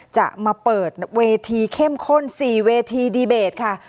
จะมาเปิดเวทีเข้มข้น๔เวทีดีเบตค่ะ